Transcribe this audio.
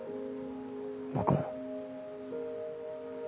僕も。